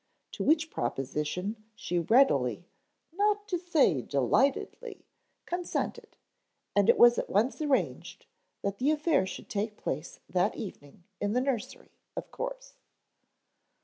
To which proposition she readily, not to say delightedly, consented, and it was at once arranged that the affair should take place that evening in the nursery, of course.